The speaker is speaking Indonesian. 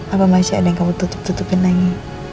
apa masih ada yang kamu tutup tutupin lagi